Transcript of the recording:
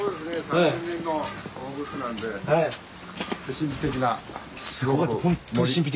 神秘的な森。